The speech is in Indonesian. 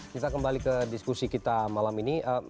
kita kembali ke diskusi kita malam ini